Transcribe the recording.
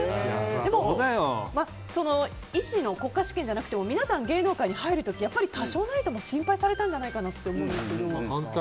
でも医師の国家試験じゃなくても皆さん芸能界に入る時多少なりとも心配されたんじゃないかと思いますが。